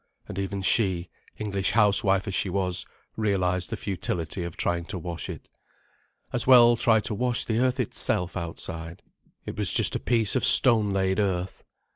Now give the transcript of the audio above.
And even she, English housewife as she was, realized the futility of trying to wash it. As well try to wash the earth itself outside. It was just a piece of stone laid earth.